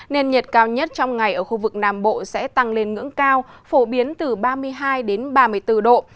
nên nhiệt cao nhất trong ngày ở khu vực nam bộ sẽ tăng lên ngưỡng cao phổ biến từ ba mươi hai ba mươi bốn độ